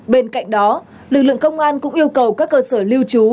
bên cạnh đó lực lượng công an cũng yêu cầu các cơ sở lưu trú